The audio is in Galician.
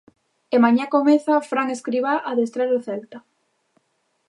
E mañá comeza Fran Escribá a adestrar ao Celta.